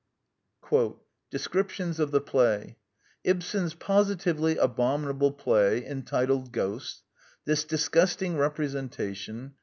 Descriptions of the Play " Ibsen's positively abominable play entitled Ghosts. .•. This disgusting representation.